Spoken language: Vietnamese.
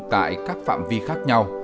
tại các phạm vi khác nhau